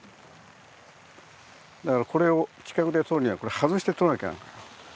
だからこれを近くで撮るには外して撮らなきゃ。